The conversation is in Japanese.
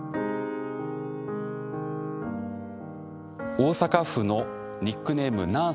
大阪府のニックネームなー